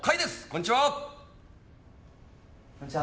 こんにちは。